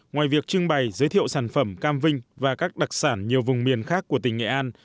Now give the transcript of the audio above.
ngoài việc trưng bày giới thiệu sản phẩm cam vinh và các đặc sản nhiều vùng miền khác của tỉnh nghệ an